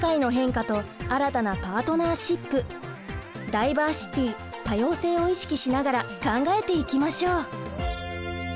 ダイバーシティ多様性を意識しながら考えていきましょう！